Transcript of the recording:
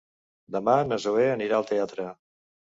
Demà na Zoè anirà al teatre.